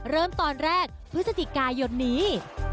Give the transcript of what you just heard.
เริ่มตอนแรกพฤศจิกายนนี้